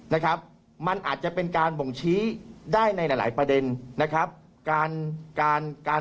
นะครับมันอาจจะเป็นการบ่งชี้ได้ในหลายหลายประเด็นนะครับการการ